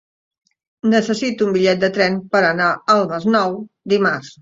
Necessito un bitllet de tren per anar al Masnou dimarts.